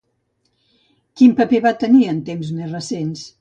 Quin paper va tenir en temps més recents?